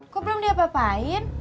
kok belum diapapain